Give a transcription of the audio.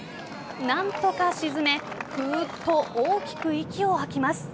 何とか沈めふーっと大きく息を吐きます。